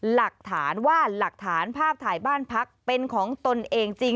หลักฐานว่าหลักฐานภาพถ่ายบ้านพักเป็นของตนเองจริง